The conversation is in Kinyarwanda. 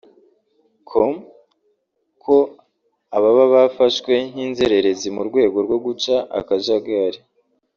com ko aba baba bafashwe nk'inzerererezi mu rwego rwo guca akajagari